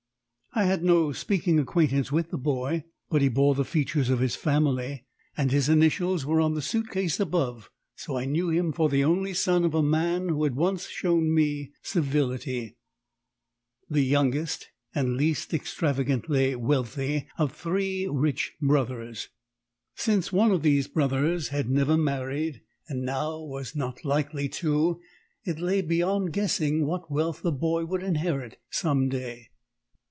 I had no speaking acquaintance with the boy; but he bore the features of his family, and his initials were on the suit case above. So I knew him for the only son of a man who had once shown me civility, the youngest and least extravagantly wealthy of three rich brothers. Since one of these brothers had never married and now was not likely to, it lay beyond guessing what wealth the boy would inherit some day.